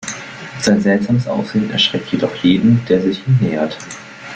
Sein seltsames Aussehen erschreckt jedoch jeden, der sich ihm nähert.